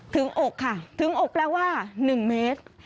อกค่ะถึงอกแปลว่า๑เมตร